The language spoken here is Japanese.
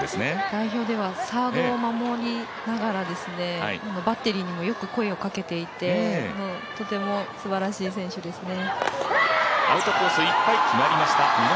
代表では、サードを守りながらバッテリーにもよく声をかけていてとてもすばらしい選手ですね。